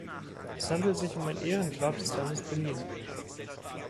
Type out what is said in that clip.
Es handelt sich um ein Ehrengrab des Landes Berlin.